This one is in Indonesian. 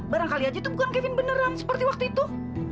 barangkali aja tuh bukan kevin beneran seperti waktu itu